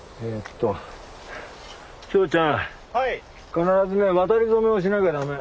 必ずね渡り初めをしなきゃ駄目。